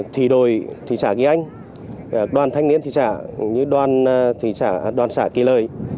thị đội thị xã kỳ anh đoàn thanh niên thị xã như đoàn thị xã đoàn xã kỳ lợi